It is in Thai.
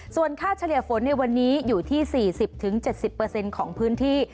ส่วนค่าเฉลี่ยฝนในวันนี้อยู่ที่สี่สิบถึงเจ็ดสิบเปอร์เซ็นต์ของพื้นที่